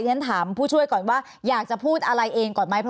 ฉันถามผู้ช่วยก่อนว่าอยากจะพูดอะไรเองก่อนไหม